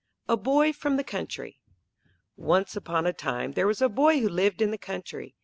"_ A BOY FROM THE COUNTRY Once upon a time there was a boy who lived in the country.